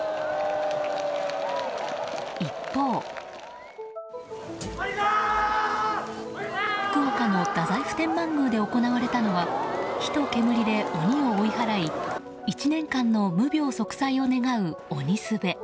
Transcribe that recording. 一方、福岡の太宰府天満宮で行われたのは火と煙で鬼を追い払い１年間の無病息災を願う鬼すべ。